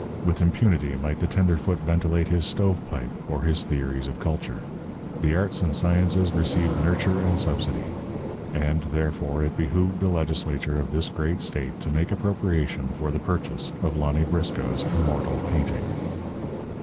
With impunity might the tenderfoot ventilate his "stovepipe" or his theories of culture. The arts and sciences received nurture and subsidy. And, therefore, it behooved the legislature of this great state to make appropriation for the purchase of Lonny Briscoe's immortal painting.